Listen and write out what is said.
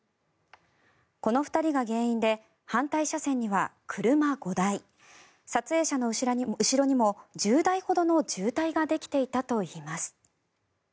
この２人が原因で反対車線には車５台撮影者の後ろにも１０台ほどの渋滞ができていたといいます。